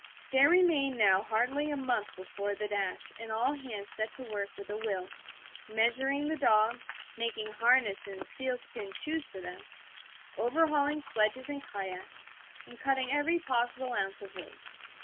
There remained now hardly a month before the dash, and all hands set to work with a will, measuring the dogs, making harness and seal skin shoes for them, overhauling sledges and kayaks, and cutting every possible ounce of weight.